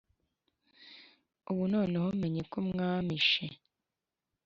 Ubu noneho menye ko mwamishe